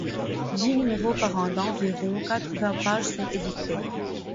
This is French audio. Dix numéros par an d'environ quatre-vingts pages sont édités.